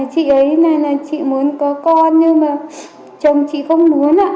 chị ấy nói là chị muốn có con nhưng mà chồng chị không muốn